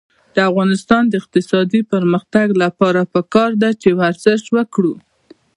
د افغانستان د اقتصادي پرمختګ لپاره پکار ده چې ورزش وکړو.